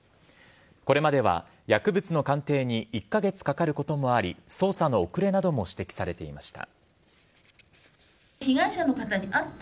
これまでは薬物の鑑定に１カ月かかることもあり捜査の遅れなども指摘されていました。